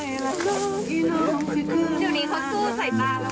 เอาใหญ่เลยค่ะ